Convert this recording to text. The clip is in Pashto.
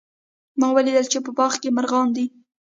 ما ولیدل چې په باغ کې مرغان دي